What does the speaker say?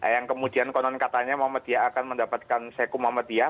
yang kemudian konon katanya muhammadiyah akan mendapatkan seku muhammadiyah